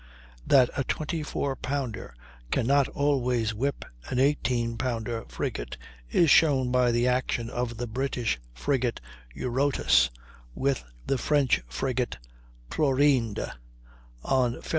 That a 24 pounder can not always whip an 18 pounder frigate is shown by the action of the British frigate Eurotas with the French frigate Chlorinde, on Feb.